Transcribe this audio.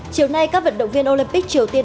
chiều nay các vận động viên olympic triều tiên